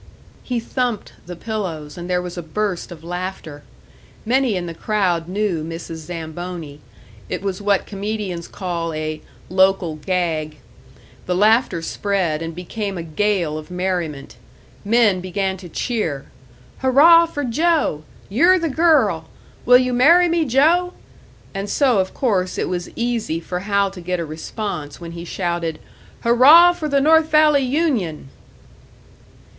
He thumped the pillows, and there was a burst of laughter. Many in the crowd knew Mrs. Zamboni it was what comedians call a "local gag." The laughter spread, and became a gale of merriment. Men began to cheer: "Hurrah for Joe! You're the girl! Will you marry me, Joe?" And so, of course, it was easy for Hal to get a response when he shouted, "Hurrah for the North Valley union!"